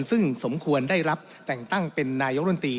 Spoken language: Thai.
ซึ่งสมควรได้รับแต่งตั้งเป็นนายกรมตรี